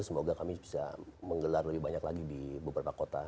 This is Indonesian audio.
semoga kami bisa menggelar lebih banyak lagi di beberapa kota